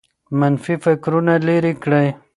منفي فکرونه لیرې کړئ.